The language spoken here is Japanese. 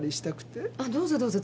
どうぞどうぞ。